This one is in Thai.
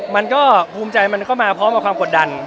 มันก็ภูมิใจมันเข้ามาพร้อมกับความกดดัน